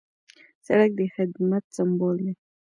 سړک د خدمت سمبول دی.